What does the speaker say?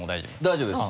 大丈夫です。